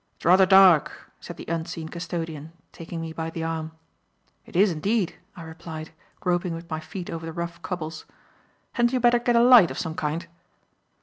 "It's rather dark," said the unseen custodian, taking me by the arm. "It is indeed," I replied, groping with my feet over the rough cobbles; "hadn't you better get a light of some kind?"